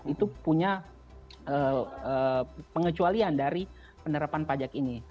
itu punya pengecualian dari penerapan pajak ini